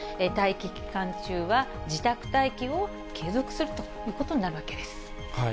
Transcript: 待機期間中は自宅待機を継続するということになるわけです。